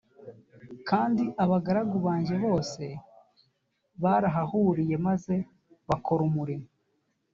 kandi abagaragu banjye bose barahahuriye maze bakora umurimo